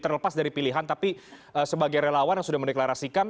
terlepas dari pilihan tapi sebagai relawan yang sudah mendeklarasikan